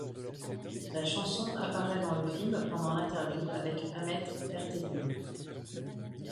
La chanson apparaît dans le film pendant l'interview avec Ahmet Ertegün.